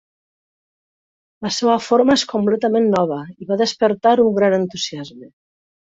La seva forma és completament nova i va despertar un gran entusiasme.